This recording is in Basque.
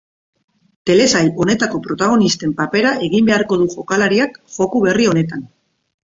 Telesail honetako protagonisten papera egin beharko du jokalariak joku berri honetan.